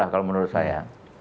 kalau menurut saya